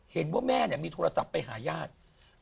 เห็นว่าแม่มีโทรศัพท์ไปหาญาติ